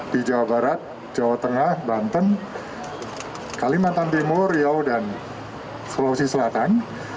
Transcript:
di jawa barat jawa tengah banten kalimantan timur riau dan sulawesi selatan